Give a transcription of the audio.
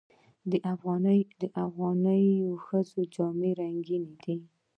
د افغاني ښځو جامې رنګینې دي.